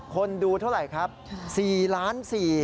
คนดูเท่าไหร่ครับ๔ล้าน